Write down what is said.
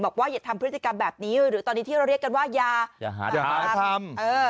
อย่าทำพฤติกรรมแบบนี้หรือตอนนี้ที่เราเรียกกันว่ายาหาทำ